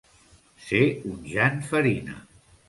Ser un Jan Farina.